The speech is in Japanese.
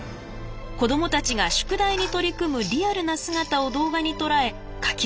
子どもたちが宿題に取り組むリアルな姿を動画に捉えかき集めたのです。